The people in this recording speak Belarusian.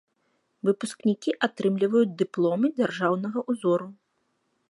Выпускнікі атрымліваюць дыпломы дзяржаўнага ўзору.